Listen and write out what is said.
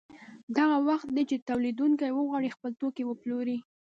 دا هغه وخت دی چې تولیدونکي وغواړي خپل توکي وپلوري